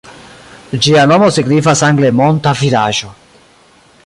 Ĝia nomo signifas angle "monta vidaĵo".